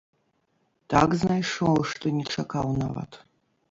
Так знайшоў, што не чакаў нават!